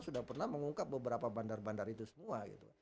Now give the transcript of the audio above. sudah pernah mengungkap beberapa bandar bandar itu semua gitu